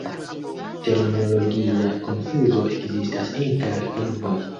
Terminologia konfuzo ekzistas inter lingvoj.